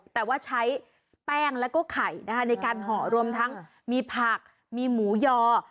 แต่ว่าใช้แป้งแล้วก็ไข่นะคะในการห่อรวมทั้งมีผักมีหมูยอ